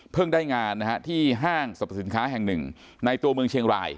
ได้งานนะฮะที่ห้างสรรพสินค้าแห่งหนึ่งในตัวเมืองเชียงราย